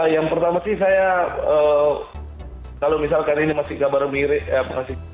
yang pertama sih saya kalau misalkan ini masih kabar mirip ya